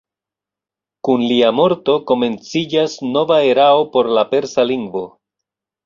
Kun lia morto komenciĝas nova erao por la persa lingvo.